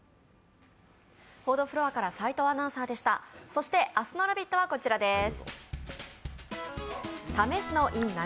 そして明日の「ラヴィット！」はこちらです。